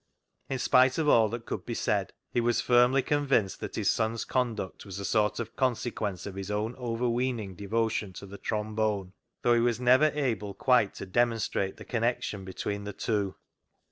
In spite of all that could be said, he was firmly convinced that his son's conduct was a sort of consequence of his own overweening devotion to the trombone, though he was never able quite to demonstrate the connection between the two.